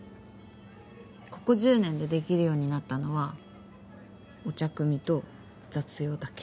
ここ１０年でできるようになったのはお茶くみと雑用だけ。